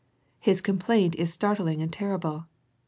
His complaint is startling and terrible.